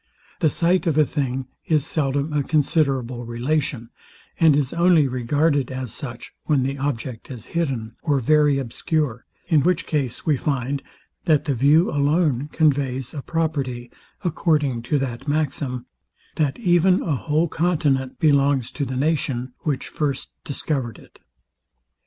The sight of a thing is seldom a considerable relation, and is only regarded as such, when the object is hidden, or very obscure; in which case we find, that the view alone conveys a property; according to that maxim, THAT EVEN A WHOLE CONTINENT BELONGS TO THE NATION, WHICH FIRST DISCOVERED IT.